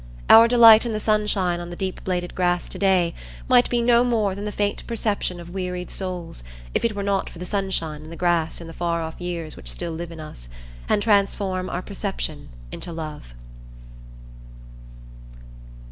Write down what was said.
Our delight in the sunshine on the deep bladed grass to day might be no more than the faint perception of wearied souls, if it were not for the sunshine and the grass in the far off years which still live in us, and transform our perception into love.